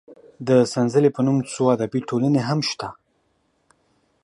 د سنځلې په نوم څو ادبي ټولنې هم شته.